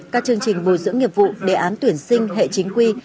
các chương trình bồi dưỡng nghiệp vụ đề án tuyển sinh hệ chính quy